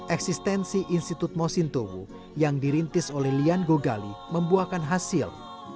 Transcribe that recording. eksistensi institut mosintowo yang dirintis oleh lian gogali membuahkan hasil